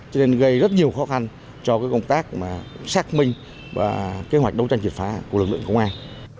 cho nên gây rất nhiều khó khăn cho công tác xác minh và kế hoạch đấu tranh triệt phá của lực lượng công an